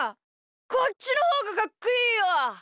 こっちのほうがかっこいいよ。